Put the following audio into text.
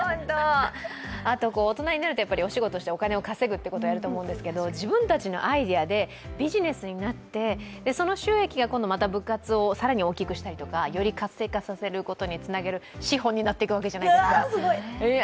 あと、大人になるとお仕事でお金を稼ぐってことになると思いますけど自分たちのアイデアでビジネスになってその収益がまた部活を更に大きくしたり、より活性化させる資本になっていくわけじゃないですか。